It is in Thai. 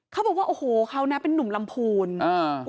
เขาบอกว่าโอ้โหเขานะเป็นนุ่มลำพูนอ่า